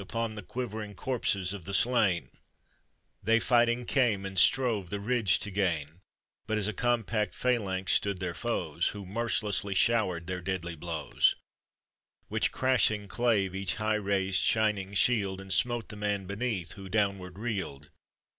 Upon the quivering corses of the slain, They fighting came, and strove the ridge to gain, But as a compact phalanx stood their foes, Who mercilessly showered their deadly blows, Which crashing clave each high raised shining shield, And smote the man beneath, who downward reeled.